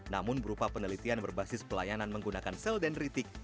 namun berupa penelitian berbasis pelayanan menggunakan sel dendritik